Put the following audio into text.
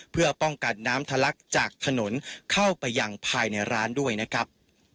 เพื่อป้องกันน้ำทะลักจากถนนเข้าไปอย่างภายในร้านด้วยนะครับ